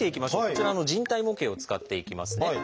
こちらの人体模型を使っていきますね。